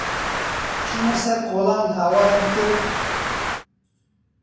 چوومە سەر کۆڵان هاوارم کرد: